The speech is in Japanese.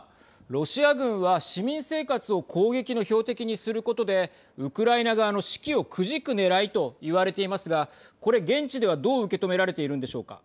ロシア軍は市民生活を攻撃の標的にすることでウクライナ側の士気をくじくねらいと言われていますがこれ現地ではどう受け止められているんでしょうか。